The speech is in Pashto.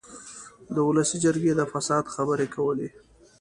د اولسي جرګې د فساد خبرې کولې.